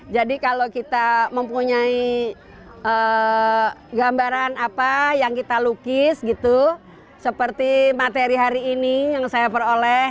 jadi kalau kita mempunyai gambaran apa yang kita lukis seperti materi hari ini yang saya peroleh